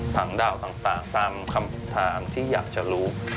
ถังดาวต่างตามคำทางที่อยากจะรู้